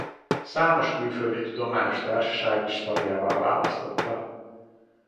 Számos külföldi tudományos társaság is tagjává választotta.